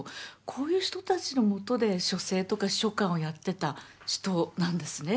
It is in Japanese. こういう人たちのもとで書生とか秘書官をやってた人なんですね。